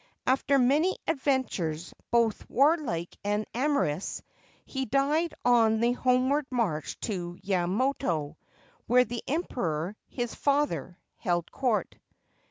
After many adventures, both warlike and amorous, he died on the homeward march to Yamato, where the Emperor, his father, held Court.